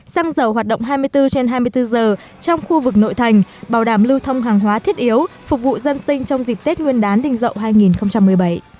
xăng dầu hoạt động hai mươi bốn trên hai mươi bốn giờ trong khu vực nội thành bảo đảm lưu thông hàng hóa thiết yếu phục vụ dân sinh trong dịp tết nguyên đán đình dậu hai nghìn một mươi bảy